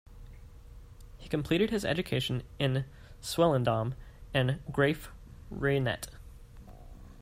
He completed his education in Swellendam and Graaff-Reinet.